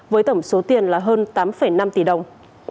với tổng số tiền là hơn tám năm tỷ đồng